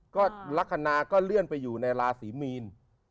ก็หลักณาเรื่องไปอยู่ในราศรีมีน